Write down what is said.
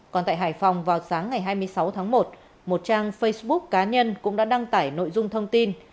còn tại hải phòng vào sáng ngày hai mươi sáu tháng một một trang facebook cá nhân cũng đã đăng tải nội dung thông tin